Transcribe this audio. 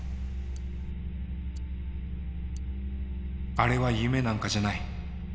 あれは夢なんかじゃない。